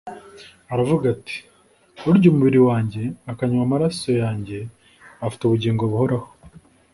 Aravuga ati: "Urya umubiri wanjye, akanyvan'amarasoyanjye afite ubugingo buhoraho."